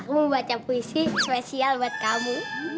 lu mau baca puisi spesial buat kamu